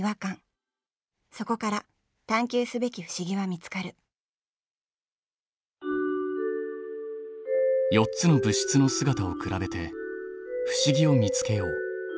そこから探究すべき不思議は見つかる４つの物質の姿を比べて不思議を見つけよう。